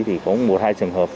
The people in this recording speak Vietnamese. thì có một hai trường hợp